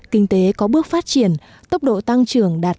kinh tế có bước phát triển tốc độ tăng trưởng đạt sáu mươi